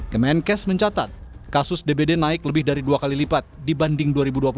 kemenkes mencatat kasus dbd naik lebih dari dua kali lipat dibanding dua ribu dua puluh satu